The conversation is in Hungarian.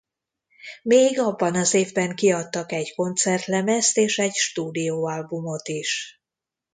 Még abban az évben kiadtak egy koncertlemezt és egy stúdióalbumot is.